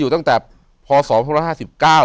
อยู่ที่แม่ศรีวิรัยิลครับ